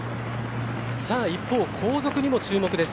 一方、後続にも注目です。